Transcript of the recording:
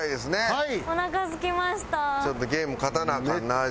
はい。